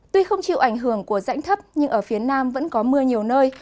tuy không chịu ảnh hưởng của rãnh thấp nhưng ở phía nam vẫn có mưa nhiều nơi